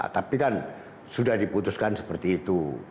tapi kan sudah diputuskan seperti itu